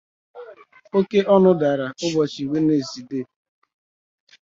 Oke ọnụ dara ụbọchị Wenezdee